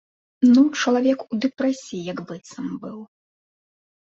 Ну, чалавек у дэпрэсіі як быццам быў.